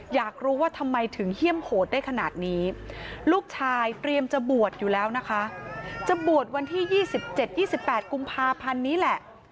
อยู่แล้วนะคะจะบวชวันที่๒๗๒๘กุมภาพันธุ์นี้แหละ